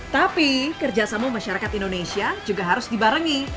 tapi kerjasama masyarakat indonesia juga harus dibarengi